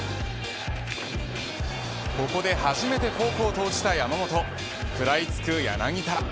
ここで初めてフォークを投じた山本食らいつく柳田。